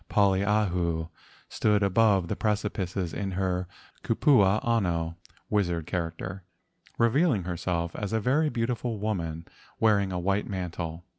Poliahu stood above the precipices in her kupua ano (wizard character), revealing herself as a very beautiful woman wearing a white mantle.